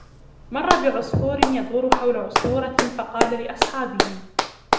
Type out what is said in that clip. مَرَّ بِعُصْفُورٍ يَدُورُ حَوْلَ عُصْفُورَةٍ فَقَالَ لِأَصْحَابِهِ